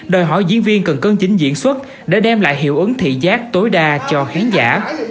đòi hỏi diễn viên cần cân chính diễn xuất để đem lại hiệu ứng thị giác tối đa cho khán giả